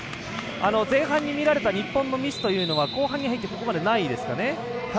前半に見られた日本のミスというのは後半に入ってここまでないですかね。